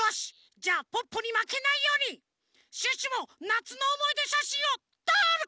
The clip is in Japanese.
じゃあポッポにまけないようにシュッシュもなつのおもいでしゃしんをとる！